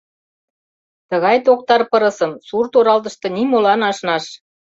Тыгай токтар пырысым сурт-оралтыште нимолан ашнаш.